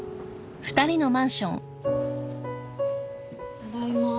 ただいま。